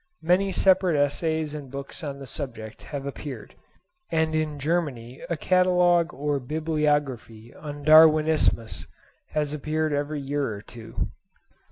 Many separate essays and books on the subject have appeared; and in Germany a catalogue or bibliography on "Darwinismus" has appeared every year or two.